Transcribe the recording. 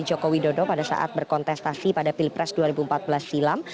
jokowi dodo pada saat berkontestasi pada pilpres dua ribu empat belas silam